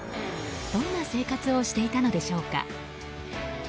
どんな生活をしていたのでしょうか。